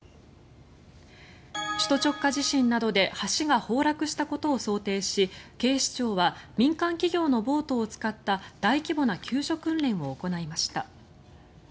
首都直下地震などで橋が崩落したことを想定し警視庁は民間企業のボートを使った大規模な救助訓練を行いました。